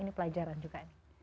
ini pelajaran juga